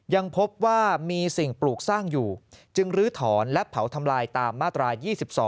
ยังพบว่ามีสิ่งปลูกสร้างอยู่จึงลื้อถอนและเผาทำลายตามมาตรา๒๒